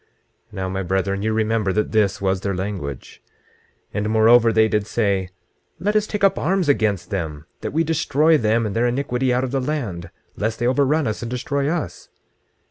Now my brethren, ye remember that this was their language. 26:25 And moreover they did say: Let us take up arms against them, that we destroy them and their iniquity out of the land, lest they overrun us and destroy us.